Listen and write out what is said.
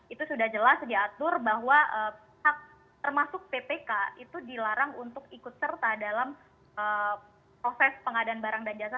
itu sudah jelas diatur bahwa hak termasuk ppk itu dilarang untuk ikut serta dalam proses pengadaan barang dan jasa